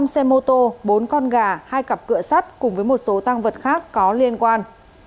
năm xe mô tô bốn con gà hai cặp cửa sắt cùng với một số tăng vật khác có liên quan